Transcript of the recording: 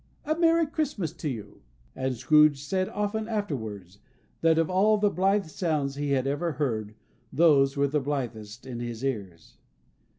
A Merry Christmas to you!" And Scrooge said often afterwards, that, of all the blithe sounds he had ever heard, those were the blithest in his ears....